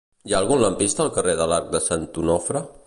Hi ha algun lampista al carrer de l'Arc de Sant Onofre?